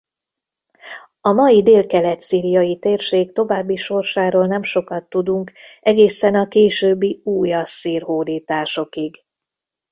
A mai délkelet-szíriai térség további sorsáról nem sokat tudunk egészen a későbbi újasszír hódításokig.